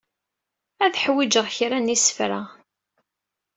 Ad ḥwijeɣ kra n yisefka.